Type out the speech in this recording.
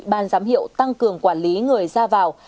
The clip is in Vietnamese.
ban giám hiệu tăng cường quản lý người ra vào